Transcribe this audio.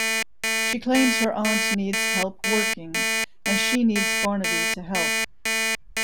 She claims her aunt needs help working, and she needs Barnaby to help.